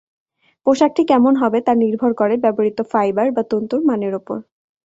পোশাকটি কেমন হবে তা নির্ভর করে ব্যবহৃত ফাইবার বা তন্তুর মানের উপরে।